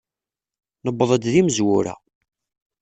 Newweḍ d imezwura.